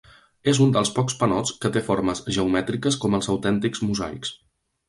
És un dels pocs panots que té formes geomètriques com els autèntics mosaics.